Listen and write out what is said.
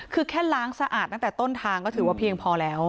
คือแค่ล้างสะอาดตั้งแต่ต้นทางก็ถือว่าเพียงพอแล้ว